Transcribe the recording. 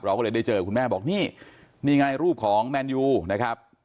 ก็เลยได้เจอคุณแม่บอกนี่นี่ไงรูปของแมนยูนะครับ